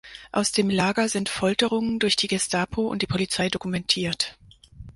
Aus dem Lager sind Folterungen durch die Gestapo und die Polizei dokumentiert.